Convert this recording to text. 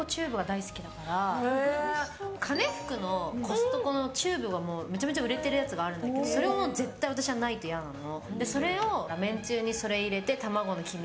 かねふくのコストコのチューブのめちゃめちゃ売れているやつがあるんだけどそれがないと私は絶対嫌なの。